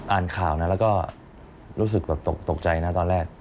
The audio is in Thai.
อ่านข่าวนะแล้วก็รู้สึกแบบตกใจนะตอนแรก